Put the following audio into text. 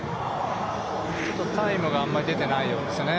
ちょっとタイムがあんまり出てないようですよね。